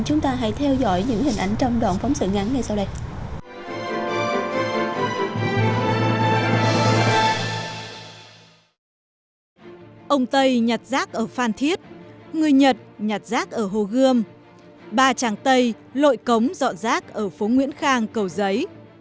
chúng ta hãy theo dõi những hình ảnh trong đoạn phóng sự ngắn ngay sau đây